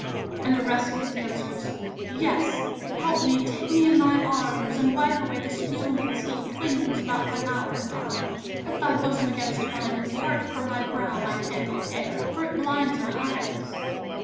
And Orestes answers: 'Yes, help me, take me in thy arms, and wipe away the spume that still clings about my mouth and eyes. Put thy bosom against mine and part from my brow my tangled hair, for it blinds my eyes....'